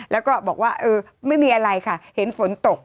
แล้วก็บอกว่าเออไม่มีอะไรค่ะเห็นฝนตก